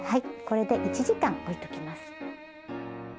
これで１時間置いときます。